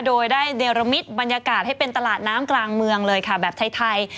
โดยได้เดรมิตบรรยากาศให้เป็นตลาดน้ำกลางเมืองเลยค่ะแบบไทย